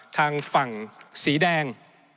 ทางฝั่งสีแดง